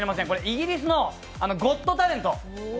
イギリスの「ゴット・タレント」